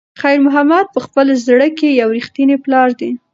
خیر محمد په خپل زړه کې یو رښتینی پلار دی.